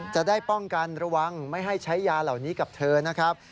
จะได้ป้องกันระวังไม่ให้ใช้ยาเหล่านี้กับเธอนะครับ